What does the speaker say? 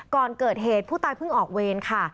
ก่อนเกิดเหตุผู้ตายเพิ่งออกเวรค่ะ